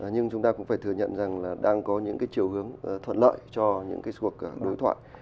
nhưng chúng ta cũng phải thừa nhận rằng là đang có những cái chiều hướng thuận lợi cho những cái cuộc đối thoại